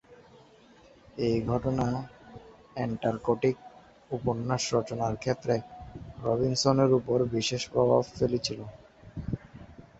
এই ঘটনা "অ্যান্টার্কটিক" উপন্যাস রচনার ক্ষেত্রে রবিনসনের উপর বিশেষ প্রভাব ফেলেছিল।